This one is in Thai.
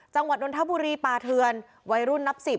จังหวัดนทบุรีป่าเทือนวัยรุ่นนับสิบ